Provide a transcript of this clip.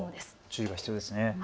注意が必要ですね。